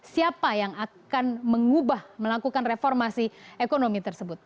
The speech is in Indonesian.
siapa yang akan mengubah melakukan reformasi ekonomi tersebut